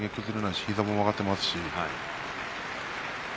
膝も曲がっていますね。